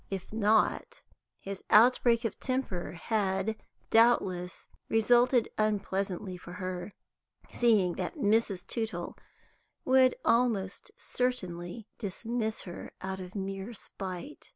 If not, his outbreak of temper had doubtless resulted unpleasantly for her, seeing that Mrs. Tootle would almost certainly dismiss her out of mere spite.